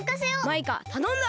マイカたのんだ！